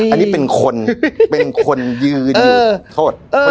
อันนี้เป็นคนเป็นคนยืนอยู่โทษ